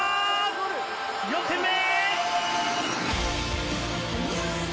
４点目。